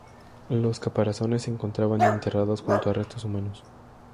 Los caparazones se encontraban enterrados junto a restos humanos.